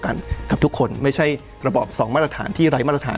ด้วยมาตรฐานเหมือนกับทุกคนไม่ใช่ระบบสองมาตรฐาน